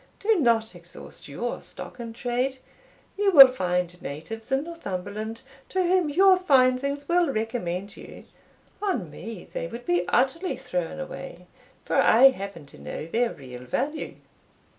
Do not exhaust your stock in trade; you will find natives in Northumberland to whom your fine things will recommend you on me they would be utterly thrown away, for I happen to know their real value."